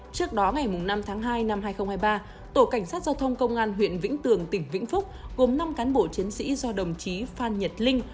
trước đó ngày năm tháng hai năm hai nghìn hai mươi ba tổ cảnh sát giao thông công an huyện vĩnh tường tỉnh vĩnh phúc gồm năm cán bộ chiến sĩ do đồng chí phan nhật linh